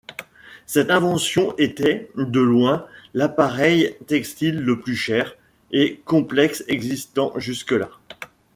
Cette invention était, de loin, l'appareil textile le plus cher et complexe existant jusque-là.